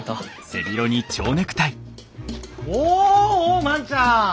おお万ちゃん！